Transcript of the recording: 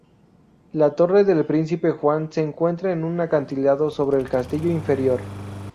La torre del príncipe Juan se encuentra en un acantilado sobre el castillo inferior.